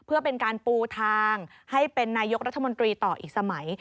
เพื่อเป็นการปูทางให้เป็นนายกรัฐมนตรีต่ออีกสมัย